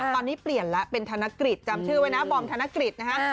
ตอนนี้เปลี่ยนแล้วเป็นธนกฤษจำชื่อไว้นะบอมธนกฤษนะฮะ